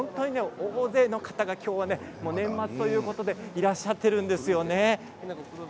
大勢の方が今日は年末ということでいらっしゃっているんですよ。